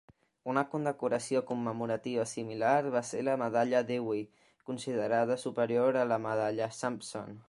Una condecoració commemorativa similar va ser la Medalla Dewey, considerada superior a la Medalla Sampson.